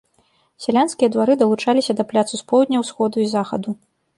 Сялянскія двары далучаліся да пляцу з поўдня, усходу і захаду.